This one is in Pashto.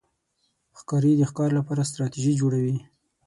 ښکاري د ښکار لپاره ستراتېژي جوړوي.